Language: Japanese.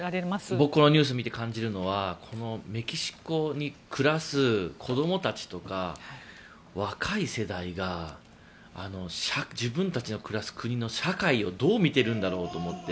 僕がニュースを見て感じられるのはメキシコに暮らす子どもたちとか若い世代が自分たちの暮らす国の社会をどう見ているんだろうと思って